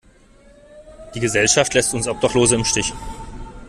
Die Gesellschaft lässt uns Obdachlose im Stich.